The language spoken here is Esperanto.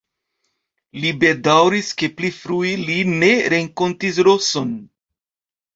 Li bedaŭris, ke pli frue li ne renkontis Roson.